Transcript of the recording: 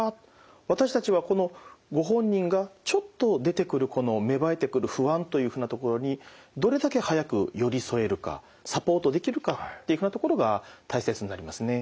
私たちはこのご本人がちょっと出てくるこの芽生えてくる不安というふうなところにどれだけ早く寄り添えるかサポートできるかっていうふうなところが大切になりますね。